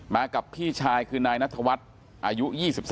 มากับพี่ชายคือนายนัทวัฒน์อายุ๒๓